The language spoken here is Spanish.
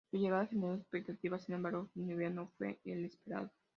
Su llegada generó expectativa, sin embargo, su nivel no fue el esperado.